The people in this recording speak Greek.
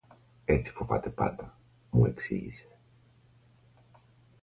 Έτσι φοβάται πάντα, μου εξήγησε